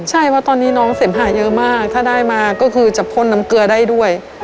ใช่เพราะตอนนี้น้องเสมหาเยอะมากถ้าได้มาก็คือจะพ่นน้ำเกลือได้ด้วย